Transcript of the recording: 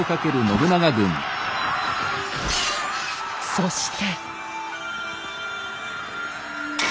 そして。